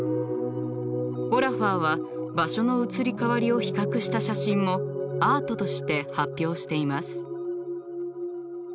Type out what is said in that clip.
オラファーは場所の移り変わりを比較した写真もアートとして発表しています。